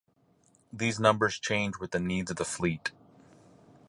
These numbers change with the needs of the fleet.